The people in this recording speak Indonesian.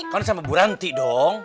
kan sama buranti dong